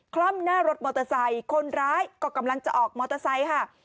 คล่อมหน้ารถมอเตอร์ไซค์คนร้ายก็กำลังจะออกมอเตอร์ไซค์ค่ะ